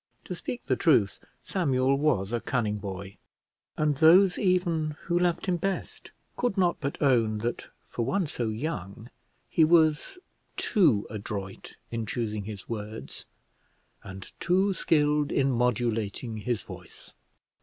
To speak the truth, Samuel was a cunning boy, and those even who loved him best could not but own that for one so young, he was too adroit in choosing his words, and too skilled in modulating his voice.